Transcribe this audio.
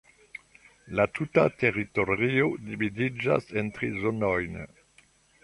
La tuta teritorio dividiĝas en tri zonojn.